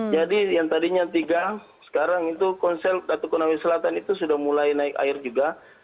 jadi yang tadinya tiga sekarang konsil konawe selatan itu sudah mulai naik air juga